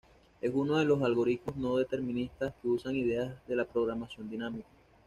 Es uno de los algoritmos no deterministas que usan ideas de la programación dinámica.